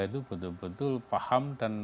itu betul betul paham dan